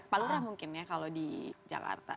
pak lurah mungkin ya kalau di jakarta